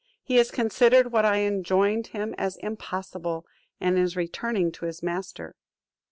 He has considered what I enjoined him as impossible, and is returning to his master."